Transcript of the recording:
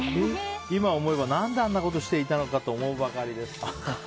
今思えば、何であんなことしていたのかと思うばかりです。